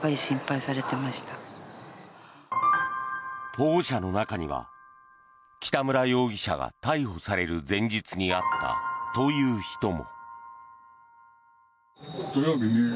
保護者の中には北村容疑者が逮捕される前日に会ったという人も。